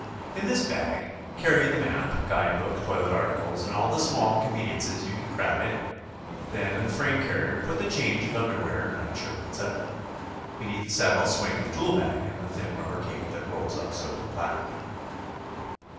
In this bag carry the map, guide book, toilet articles, and all the small con veniences you can crowd in. Then in the frame carrier put the change of underwear, night shirt, etc. Beneath the saddle swing the tool bag and the thin rubber cape that rolls up so compactly.